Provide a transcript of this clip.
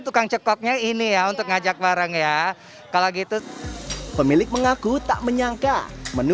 tukang cekoknya ini ya untuk ngajak bareng ya kalau gitu pemilik mengaku tak menyangka menu